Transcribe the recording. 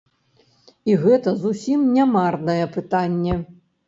І гэта зусім не марнае пытанне.